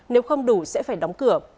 nếu không đủ sẽ phải đóng cửa